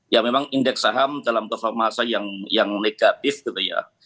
ya memang indeks saham dalam transformasi yang negatif gitu ya